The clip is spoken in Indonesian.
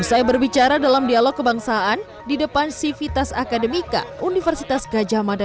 usai berbicara dalam dialog kebangsaan di depan sivitas akademika universitas gajah mada